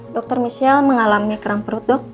dokter michelle mengalami kerang perut dok